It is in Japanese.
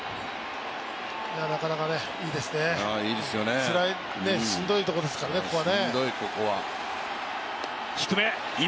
なかなかいいですね、しんどいところですからね、ここは。